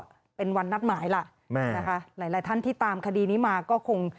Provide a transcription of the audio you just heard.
ก็เป็นวันนัดหมายล่ะแม่นะคะหลายหลายท่านที่ตามคดีนี้มาก็คง